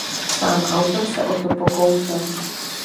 Sám autor se o to pokoušel.